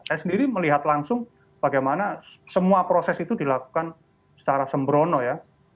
saya sendiri melihat langsung bagaimana semua proses itu dilakukan secara sembrono ya